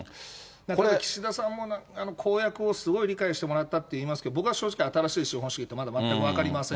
これ、岸田さん、公約をすごい理解したって言いましたけど、僕は正直新しい資本主義って、まだ分かりません。